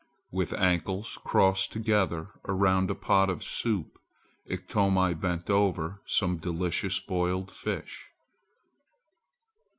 With ankles crossed together around a pot of soup, Iktomi bent over some delicious boiled fish.